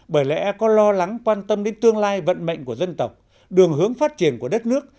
bởi lẽ có lo lắng quan tâm đến tương lai vận mệnh của dân tộc đường hướng phát triển của đất nước